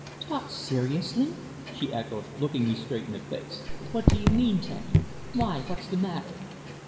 "Talk seriously!" she echoed, looking me straight in the face. "What do you mean, Teddy? Why, what's the matter?"